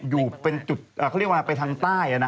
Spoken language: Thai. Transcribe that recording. อยู่เป็นจุดเขาเรียกว่าไปทางใต้